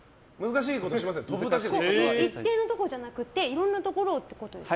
一定のところじゃなくていろんなところをですか。